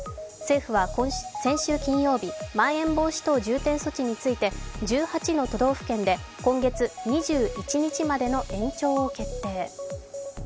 政府は先週金曜日、まん延防止等重点措置について１８の都道府県で今月２１日までの延長を決定。